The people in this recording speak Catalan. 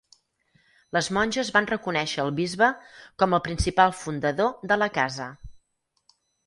Les monges van reconèixer el bisbe com el principal fundador de la Casa.